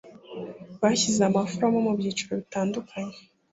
bashyize abaforomo mu byiciro bitandukanye